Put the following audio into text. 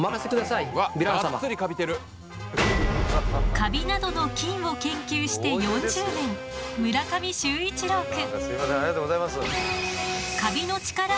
カビなどの菌を研究して４０年村上周一郎くん。